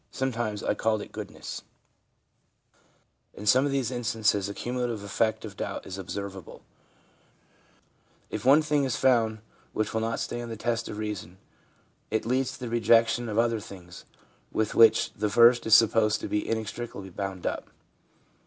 Sometimes I called it Goodness/ In some of these instances the cumulative effect of doubt is observable ; if one thing is found which will not stand the test of reason, it leads to the rejection of other things with which the first is supposed to be inextricably bound up.